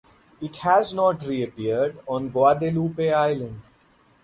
It has not reappeared on Guadalupe Island.